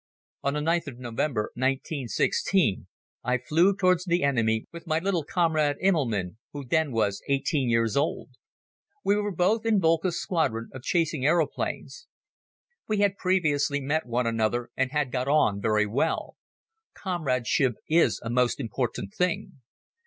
On the ninth of November, 1916, I flew towards the enemy with my little comrade Immelmann, who then was eighteen years old. We both were in Boelcke's squadron of chasing aeroplanes. We had previously met one another and had got on very well. Comradeship is a most important thing.